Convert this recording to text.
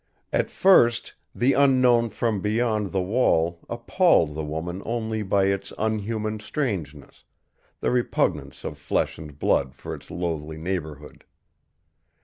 At first, the unknown from beyond the wall appalled the woman only by its unhuman strangeness, the repugnance of flesh and blood for its loathly neighborhood.